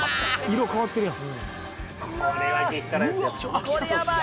色変わってるやん